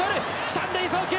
三塁送球。